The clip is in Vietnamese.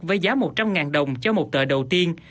với giá một trăm linh đồng cho một tờ đầu tiên